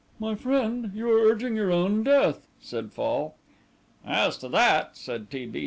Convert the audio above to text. "My friend, you are urging your own death," said Fall. "As to that," said T. B.